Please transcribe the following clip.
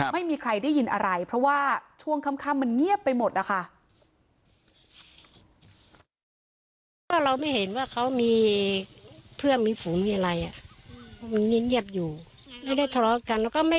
ไม่มีใครได้ยินอะไรเพราะว่าช่วงค่ำมันเงียบไปหมดนะคะ